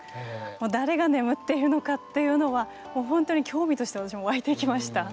誰が眠っているのかっていうのはほんとに興味として私も湧いてきました。